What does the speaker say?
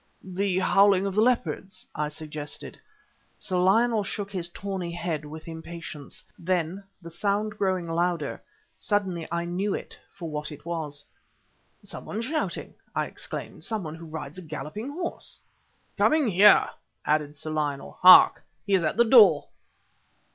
"The howling of the leopards!" I suggested. Sir Lionel shook his tawny head with impatience. Then, the sound growing louder, suddenly I knew it for what it was. "Some one shouting!" I exclaimed "some one who rides a galloping horse!" "Coming here!" added Sir Lionel. "Hark! he is at the door!"